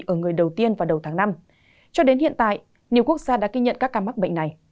ở người đầu tiên vào đầu tháng năm cho đến hiện tại nhiều quốc gia đã ghi nhận các ca mắc bệnh này